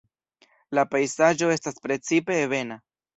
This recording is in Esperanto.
La pejzaĝo estas precipe ebena.